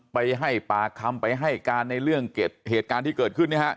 ไปให้ปากคำไปให้การในเรื่องเหตุการณ์ที่เกิดขึ้น